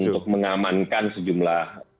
untuk mengamankan sejumlah